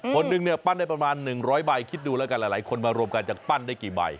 คนหนึ่งเนี่ยปั้นได้ประมาณ๑๐๐ใบคิดดูแล้วกันหลายคนมารวมกันจะปั้นได้กี่ใบ